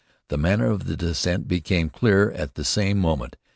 The manner of the descent became clear at the same moment.